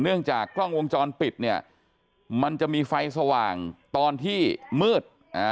เนื่องจากกล้องวงจรปิดเนี่ยมันจะมีไฟสว่างตอนที่มืด